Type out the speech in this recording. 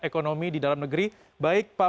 ekonomi di dalam negeri baik pak